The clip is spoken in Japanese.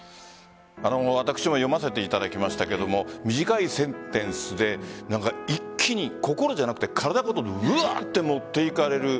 私も読ませていただきましたけども短いセンテンスで一気に、心じゃなくて体ごと持っていかれる。